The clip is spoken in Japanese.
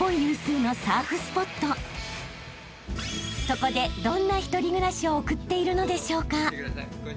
［そこでどんな１人暮らしを送っているのでしょうか？］